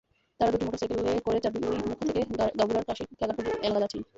তারা দুটি মোটরসাইকেলে করে চাঁদনীমুখা থেকে গাবুরার কাশির খেয়াঘাট এলাকা যাচ্ছিল।